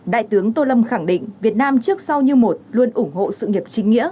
đại tướng tô lâm khẳng định việt nam trước sau như một luôn ủng hộ sự nghiệp chính nghĩa